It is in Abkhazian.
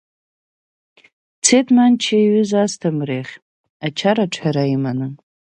Дцеит Манча иҩыза Асҭамыр иахь ачара аҿҳәара иманы.